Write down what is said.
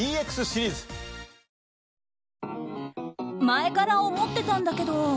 前から思ってたんだけど。